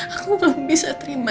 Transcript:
aku belum bisa terima